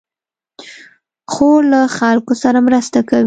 خور له خلکو سره مرسته کوي.